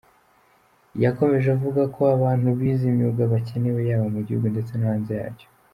Yakomeje avuga ko abantu bize imyuga bakenewe yaba mu gihugu ndetse no hanze yacyo.